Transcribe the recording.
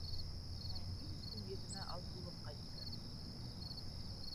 Ә ни өсөн йөҙөмә алһыулыҡ ҡайтты?